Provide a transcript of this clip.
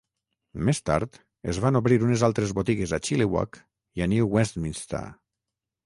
Més tard, es van obrir unes altres botigues a Chilliwack i a New Westminster.